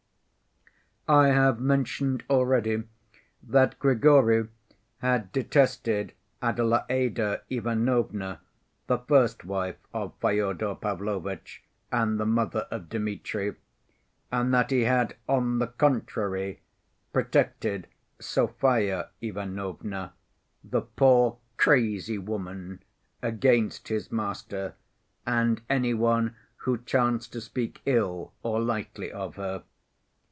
I have mentioned already that Grigory had detested Adelaïda Ivanovna, the first wife of Fyodor Pavlovitch and the mother of Dmitri, and that he had, on the contrary, protected Sofya Ivanovna, the poor "crazy woman," against his master and any one who chanced to speak ill or lightly of her.